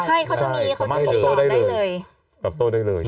ใช่เขาจะมีตอบโต้ได้เลย